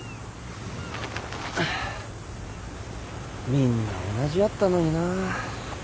みんな同じやったのにな。